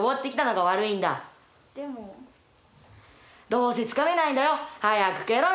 どうせつかめないんだろ？